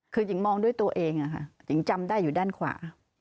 คือหญิงมองด้วยตัวเองหญิงจำได้อยู่ด้านขวา